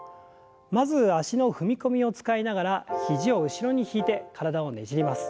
まず脚の踏み込みを使いながら肘を後ろに引いて体をねじります。